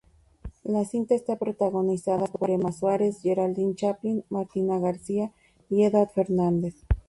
La cinta está protagonizada por Emma Suárez, Geraldine Chaplin, Martina García y Eduard Fernández.